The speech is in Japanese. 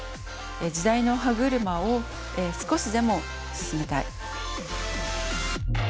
時代の歯車を少しでも進めたい。